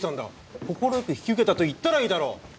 快く引き受けたと言ったらいいだろ！